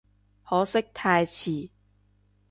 可惜太遲